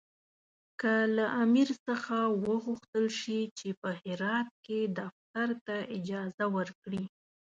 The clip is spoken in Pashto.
که له امیر څخه وغوښتل شي چې په هرات کې دفتر ته اجازه ورکړي.